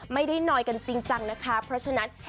นอยกันจริงจังนะคะเพราะฉะนั้น